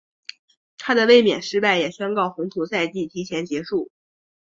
她的卫冕失败也宣告红土赛季提前结束。